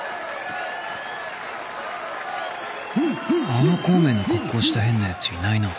あの孔明の格好した変なやついないな